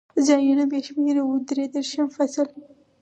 ځایونه بې شمېره و، درې دېرشم فصل.